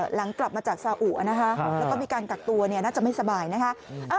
หลังกลับมาจากซาอุนะคะแล้วก็มีการกักตัวน่าจะไม่สบายนะคะ